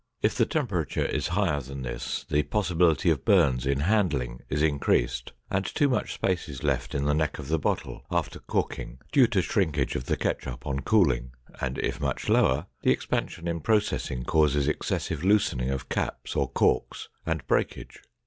If the temperature is higher than this, the possibility of burns in handling is increased, and too much space is left in the neck of the bottle after corking, due to shrinkage of the ketchup on cooling, and if much lower, the expansion in processing causes excessive loosening of caps or corks and breakage.